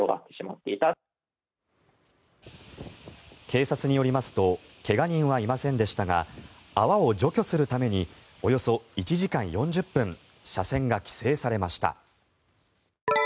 警察によりますと怪我人はいませんでしたが泡を除去するためにおよそ１時間４０分車線が規制されました。